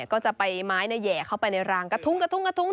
ก็จะไปไม้แย่เข้าไปในรังกระทุ้ง